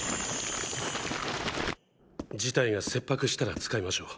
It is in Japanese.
事態が切迫したら使いましょう。